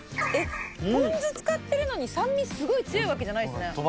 えっポン酢使ってるのに酸味すごい強いわけじゃないですね。